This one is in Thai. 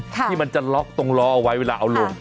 ที่มันจะล็อกตรงล้อเอาไว้เวลาเอาลง